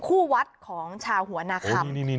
คู่วัดของชาวหัวนาคม